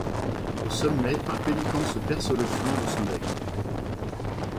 Au sommet, un pélican se perce le flanc de son bec.